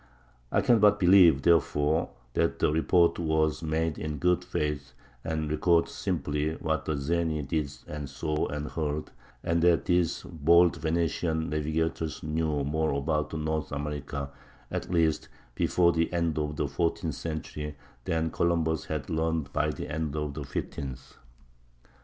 I can but believe, therefore, that the report was made in good faith, and records simply what the Zeni did and saw and heard; and that these bold Venetian navigators knew more about North America, at least, before the end of the fourteenth century than Columbus had learned by the end of the fifteenth.